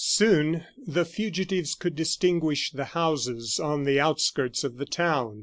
Soon the fugitives could distinguish the houses on the outskirts of the town.